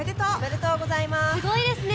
「すごいですね」